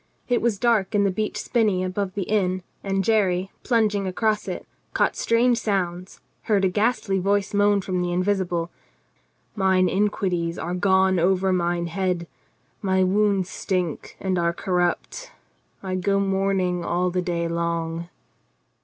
It was dark in the beech spinney above the inn, and Jerry, plunging across it, caught strange sounds, heard a ghastly voice moan from the invisible: "Mine iniquities are gone over mine head, my wounds stink and are cor rupt; yea, I go mourning all the day long.